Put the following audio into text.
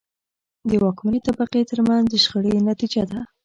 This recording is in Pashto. د واکمنې طبقې ترمنځ د شخړې نتیجه ده.